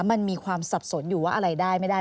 มันมีความสับสนอยู่ว่าอะไรได้ไม่ได้